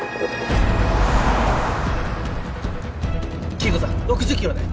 黄以子さん６０キロで。